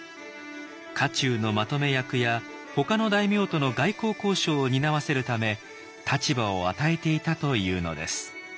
家中のまとめ役やほかの大名との外交交渉を担わせるため立場を与えていたというのです。